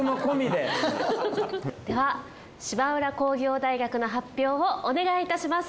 では芝浦工業大学の発表をお願いいたします。